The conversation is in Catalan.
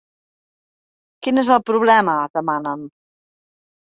Quin és el problema?, demanen.